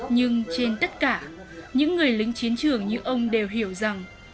nhưng trên tất cả những người lính chiến trường như ông đều hiểu rằng